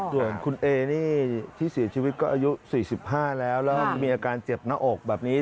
ส่วนคุณเอนี่ที่เสียชีวิตก็อายุ๔๕แล้วแล้วมีอาการเจ็บหน้าอกแบบนี้